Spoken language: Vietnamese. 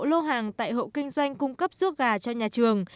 lô hàng tại hộ kinh doanh cung cấp ruốc gà cho nhà trường